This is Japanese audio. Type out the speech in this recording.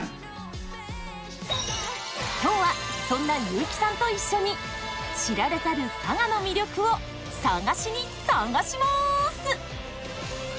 今日はそんな優木さんと一緒に知られざる佐賀の魅力を探しに佐賀します！